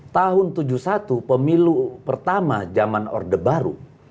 tahun tujuh puluh satu pemilu pertama zaman orde baru